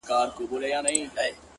كله وي خپه اكثر،